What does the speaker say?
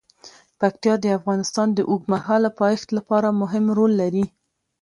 پکتیا د افغانستان د اوږدمهاله پایښت لپاره مهم رول لري.